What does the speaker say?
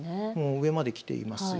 上まで来ています。